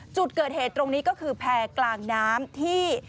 จุดเกิดเหตุตรงนี้ก็คือแพร่กลางน้ำที่